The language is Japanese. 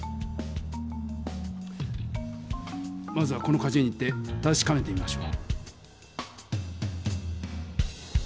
まずはこのかじゅ園に行ってたしかめてみましょう。